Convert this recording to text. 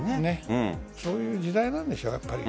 そういう時代なんでしょう。